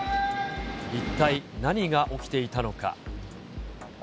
一体何が起きていたのか。